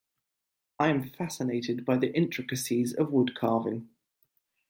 I am fascinated by the intricacies of woodcarving.